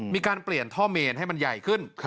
มีการเปลี่ยนท่อเมนให้มันใหญ่ขึ้น